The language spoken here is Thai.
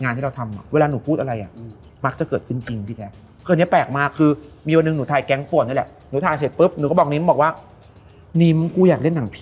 เนี่ยคือคำนี้เลยมันบอกว่า